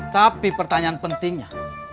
tapi pertanyaan pentingnya